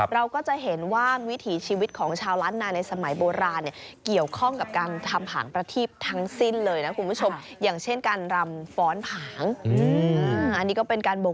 เราก็จะเห็นว่าวิถีชีวิตของชาวล้านนาในสมัยโบราณ